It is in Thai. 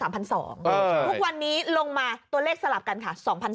ทุกวันนี้ลงมาตัวเลขสลับกันค่ะ